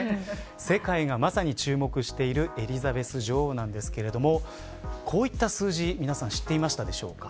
世界がまさに注目しているエリザベス女王ですがこういった数字、皆さん知っていましたでしょうか。